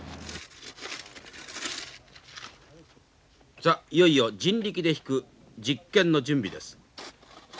さあいよいよ人力で引く実験の準備です。